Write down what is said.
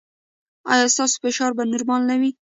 ایا ستاسو فشار به نورمال نه وي؟